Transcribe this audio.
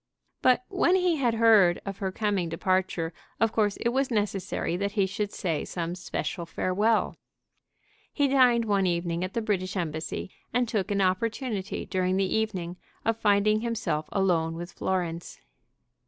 But when he had heard of her coming departure of course it was necessary that he should say some special farewell. He dined one evening at the British Embassy, and took an opportunity during the evening of finding himself alone with Florence.